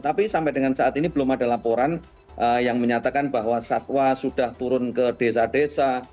tapi sampai dengan saat ini belum ada laporan yang menyatakan bahwa satwa sudah turun ke desa desa